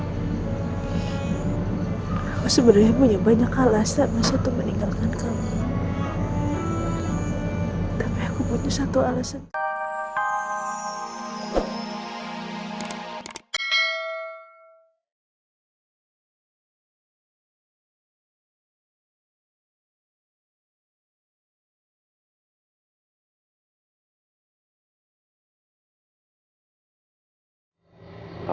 aku sebenernya punya banyak alasan